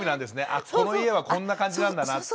あっこの家はこんな感じなんだなって。